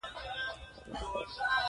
یو هلمندي د تفریح لپاره جوړ کړی دی.